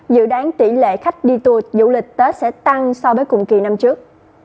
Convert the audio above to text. dự đoán tỷ lệ khách đi tour du lịch tết sẽ tăng so với cùng kỳ năm trước